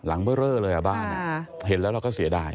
หลังเบอร์เลยอ่ะบ้านเห็นแล้วเราก็เสียดาย